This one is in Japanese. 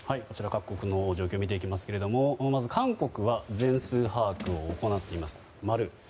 各国の状況見ていきますがまず韓国は全数把握を行っています。